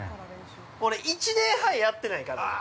俺、１年半、やってないからな。